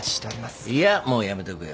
いやもうやめとくよ。